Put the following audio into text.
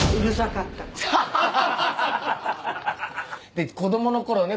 で子供のころね